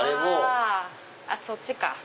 あそっちか。